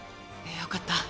よかった。